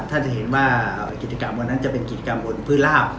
ท่านจะเห็นว่ากิจกรรมวันนั้นจะเป็นกิจกรรมบนพื้นลาบ